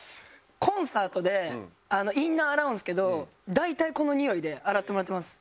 コンサートでインナー洗うんですけど大体この匂いで洗ってもらってます。